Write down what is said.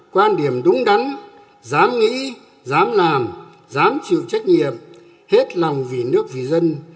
quan điểm đúng đắn dám nghĩ dám làm dám chịu trách nhiệm hết lòng vì nước vì dân